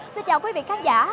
xin chào quý vị khán giả